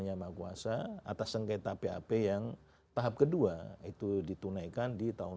yang maha kuasa atas sengketa pap yang tahap kedua itu ditunaikan di tahun dua ribu dua puluh